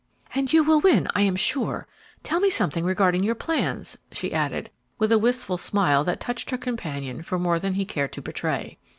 "And you will win, I am sure. Tell me something regarding your plans," she added, with a wistful smile that touched her companion for more than he cared to betray.